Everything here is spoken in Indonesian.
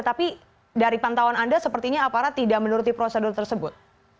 tapi dari pantauan anda sepertinya aparat tidak menuruti prosedur tersebut